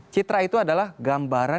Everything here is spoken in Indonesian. citra itu adalah gambaran